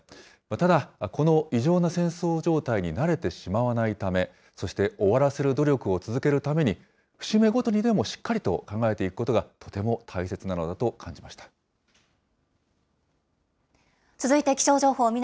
ただ、この異常な戦争状態に慣れてしまわないため、そして、終わらせる努力を続けるために、節目ごとにでもしっかりと考えていくことが、続いて気象情報。